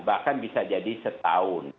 bahkan bisa jadi setahun